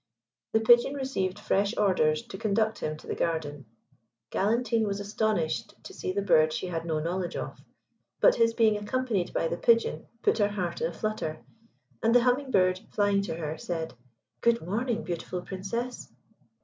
The Pigeon received fresh orders to conduct him to the garden. Galantine was astonished to see a bird she had no knowledge of; but his being accompanied by the Pigeon put her heart in a flutter, and the Humming bird, flying to her, said, "Good morning, beautiful Princess."